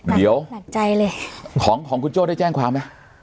หลักใจเลยของของคุณโจ้ได้แจ้งความไหม